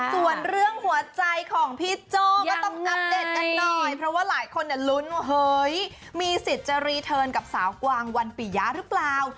ส่วนเรื่องหัวใจของพี่โจ้ก็ต้องอัปเดตกันหน่อยเพราะว่าหลายคนลุ้นว่าเฮ้ยมีสิทธิ์จะรีเทิร์นกับสาวกวางวันปียะหรือเปล่า